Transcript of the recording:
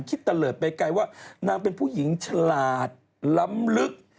ตะเลิศไปไกลว่านางเป็นผู้หญิงฉลาดล้ำลึก